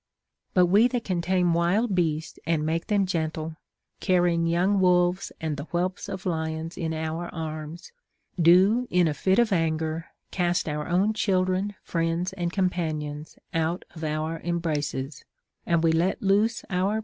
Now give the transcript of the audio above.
But we that can tame wild beasts and make them gentle, carrying young Avolves and the whelps of lions in our arms, do in a fit of anger cast our own children, friends, and companions out of our embraces ; and we let loose our * II.